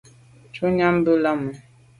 Shutnyàm be leme.